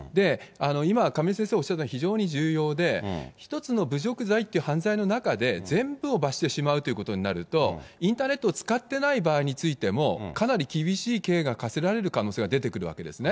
今亀井先生、おっしゃったの非常に重要で、一つの侮辱罪っていう犯罪の中で、全部を罰してしまうということになると、インターネットを使ってない場合についても、かなり厳しい刑が科せられる可能性が出てくるわけですね。